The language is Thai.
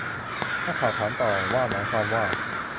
นักข่าวถามต่อว่าหมายความว่า